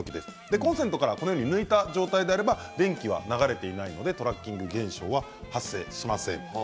コンセントから抜いた状態であれば電気は流れていないのでトラッキング現象は発生しません。